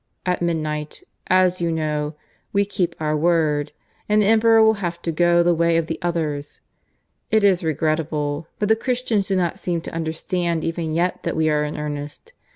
At midnight, as you know, we keep our word, and the Emperor will have to go the way of the others. It is regrettable, but the Christians do not seem to understand even yet that we are in earnest.